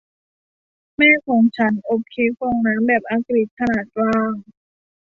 แม่ของฉันอบเค้กฟองน้ำแบบอังกฤษขนาดกลาง